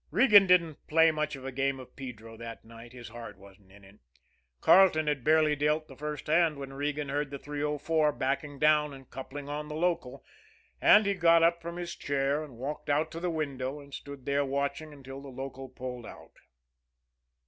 Regan didn't play much of a game of pedro that night his heart wasn't in it. Carleton had barely dealt the first hand when Regan heard the 304 backing down and coupling on the local, and he got up from his chair and walked to the window, and stood there watching until the local pulled out.